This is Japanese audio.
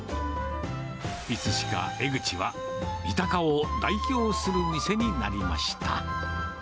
いつしか江ぐちは、三鷹を代表する店になりました。